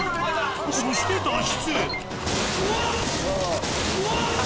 そして脱出。